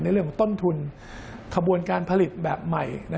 เรื่องของต้นทุนขบวนการผลิตแบบใหม่